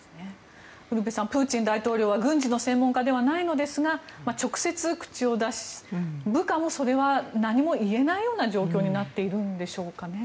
ウルヴェさんプーチン大統領は軍事の専門家ではないんですが直接、口を出して部下もそれには何も言えないような状況になっているんでしょうかね。